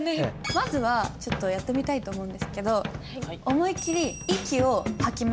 まずはちょっとやってみたいと思うんですけど思い切り息を吐きます。